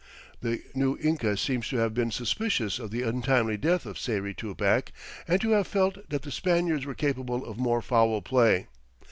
The new Inca seems to have been suspicious of the untimely death of Sayri Tupac, and to have felt that the Spaniards were capable of more foul play.